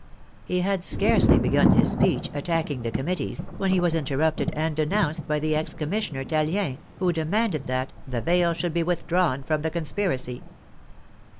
He had scarcely begun his speech, attacking the Committees, when he was interrupted and denounced by the ex com missioner Tallien, who demanded that "the veil should be withdrawn from the conspiracy."